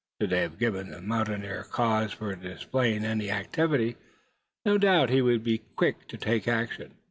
Should they have given the mountaineer cause for displaying any activity, no doubt he would be quick to take action.